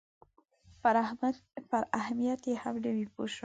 پر اهمیت یې هم نه وي پوه شوي.